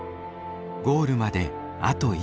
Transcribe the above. ゴールまであと一歩。